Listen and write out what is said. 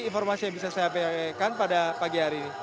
informasi yang bisa saya perhatikan pada pagi hari ini